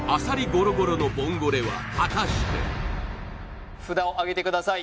ごろごろのボンゴレは果たして札をあげてください